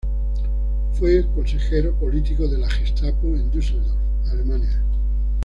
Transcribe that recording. Fue Consejero político de la Gestapo en Dusseldorf, Alemania.